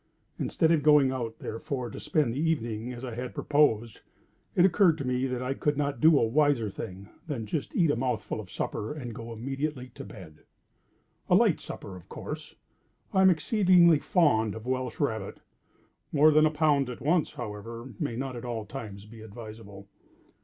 Instead of going out therefore to spend the evening as I had proposed, it occurred to me that I could not do a wiser thing than just eat a mouthful of supper and go immediately to bed. A light supper of course. I am exceedingly fond of Welsh rabbit. More than a pound at once, however, may not at all times be advisable.